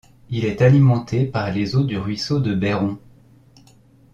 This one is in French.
Il est alimenté par les eaux du ruisseau de Bairon.